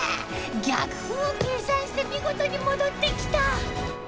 逆風を計算して見事に戻ってきた。